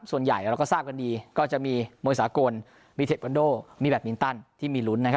ส่วนใหญ่เราก็ทราบกันดีก็จะมีมวยสากลมีเทควันโดมีแบตมินตันที่มีลุ้นนะครับ